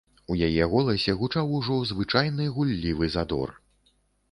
У яе голасе гучаў ужо звычайны гуллівы задор.